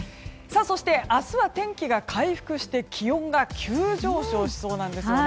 そして明日は天気が回復して気温が急上昇しそうなんです。